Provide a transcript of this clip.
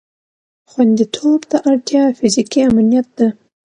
خوندیتوب ته اړتیا فیزیکي امنیت ده.